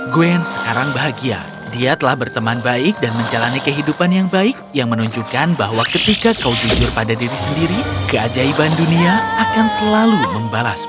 gwen sekarang bahagia dia telah berteman baik dan menjalani kehidupan yang baik yang menunjukkan bahwa ketika kau jujur pada diri sendiri keajaiban dunia akan selalu membalasmu